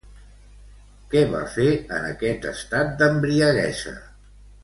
Què va fer en aquest estat d'embriaguesa?